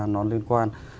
nó liên quan